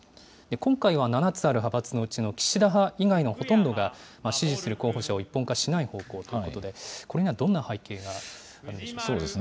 今回は、７つある派閥のうちの岸田派以外のほとんどが、支持する候補者を一本化しない方向ということで、これにはどんな背景があるんでしょうか。